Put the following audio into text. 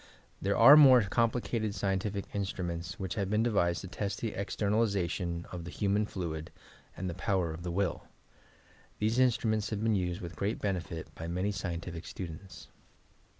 There are more complicated scientific instruments which have been devised to test the extemalization of the human fluid, and the power of the will. These in struments have been used with great beneflt by mauy scientifle students.